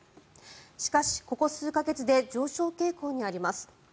しかし、ここ数か月で上昇傾向にあります。